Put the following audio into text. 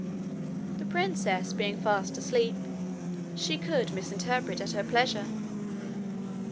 The princess being fast asleep, she could misrepresent at her pleasure.